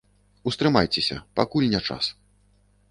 Устрымайцеся, пакуль не час.